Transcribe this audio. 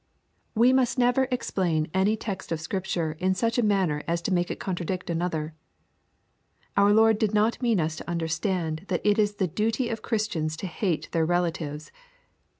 We must never explain any text LUKE, CHAP. XIV. 167 t{ Scripture in such a manner as to make it contradict another. Our Lord did not mean us to understand that it is the duty of Christians to hate their relatives.